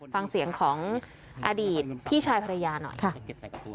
ฟังเสียงของอดีตพี่ชายภรรยาหน่อยค่ะ